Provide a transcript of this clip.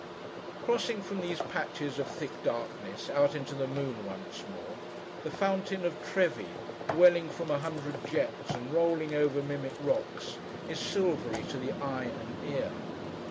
Crossing from these patches of thick darkness, out into the moon once more, the fountain of Trevi, welling from a hundred jets, and rolling over mimic rocks, is silvery to the eye and ear.